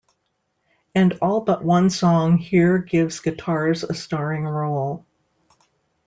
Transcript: And all but one song here gives guitars a starring role.